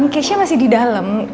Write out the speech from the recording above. keisha masih di dalam